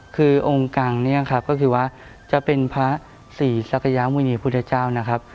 คือองค์กลางก็คือว่าจะเป็นพระศรีศักยมุณีพุทธเจ้า